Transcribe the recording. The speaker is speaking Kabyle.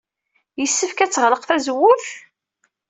Yessefk ad teɣleq tazewwut?